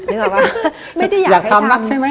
นึกออกปะ